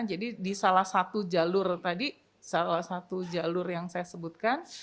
jadi di salah satu jalur yang saya sebutkan